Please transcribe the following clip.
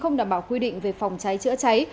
không đảm bảo quy định về phòng cháy chữa cháy